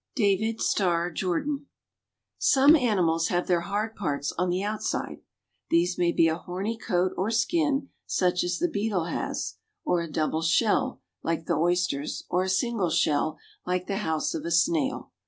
DAVID STARR JORDAN. Some animals have their hard parts on the outside. These may be a horny coat or skin, such as the beetle has, or a double shell, like the oyster's, or a single shell, like the house of a snail.